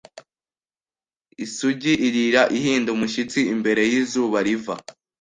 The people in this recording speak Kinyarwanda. Isugi irira ihinda umushyitsi imbere yizuba riva